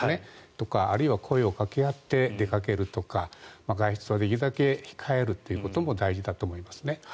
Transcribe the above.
あるいは声をかけ合って出かけるとか外出はできるだけ控えることも大事だと思います。